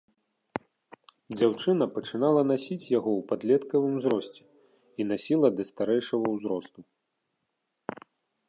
Дзяўчына пачынала насіць яго ў падлеткавым узросце і насіла да старэйшага ўзросту.